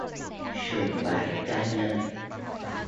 Sùng bái cá nhân